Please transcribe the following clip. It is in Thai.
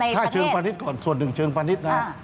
ถ้าเชิงพาณิชย์ก่อนส่วนหนึ่งเชิงพาณิชย์นะ